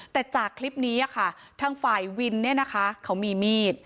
แต่จากคลิปนี้ค่ะทางฝ่ายวินเนี่ยนะคะเขามีมีด